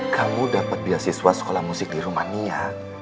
kamu dapat beasiswa sekolah musik di rumania